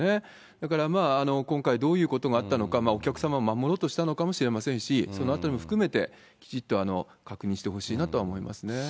だから今回どういうことがあったのか、お客様を守ろうとしたのかもしれませんし、そのあたりも含めて、きちっと確認してほしいなとは思いますね。